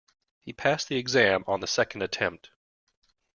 He passed the exam on the second attempt